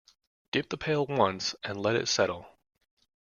Dip the pail once and let it settle.